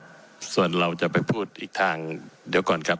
ผมจะขออนุญาตให้ท่านอาจารย์วิทยุซึ่งรู้เรื่องกฎหมายดีเป็นผู้ชี้แจงนะครับ